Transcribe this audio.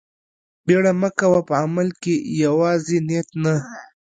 بيړه مه کوه په عمل کښې يوازې نيت نه.